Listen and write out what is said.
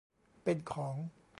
เป็นของ